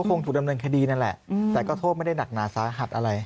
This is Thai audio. คงถูกดำเนินคดีนั่นแหละแต่ก็โทษไม่ได้หนักหนาสาหัสอะไร